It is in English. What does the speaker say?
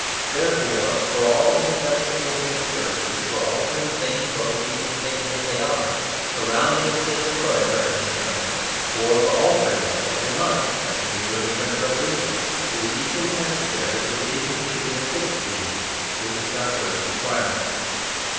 Therefore for all intelligible human purposes, for altering things or for keeping things as they are, for founding a system for ever, as in China, or for altering it every month as in the early French Revolution, it is equally necessary that the vision should be a fixed vision. This is our first requirement.